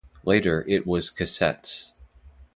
Later it was cassettes.